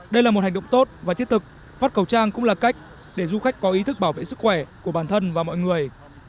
đây là một hành động tốt và thiết thực phát khẩu trang cũng là cách để du khách có ý thức bảo vệ sức khỏe của bản thân và mọi người